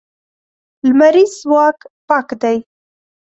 لمریز ځواک پاک دی.